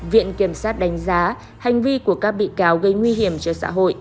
viện kiểm sát đánh giá hành vi của các bị cáo gây nguy hiểm cho xã hội